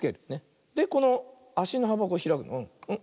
でこのあしのはばをひらく。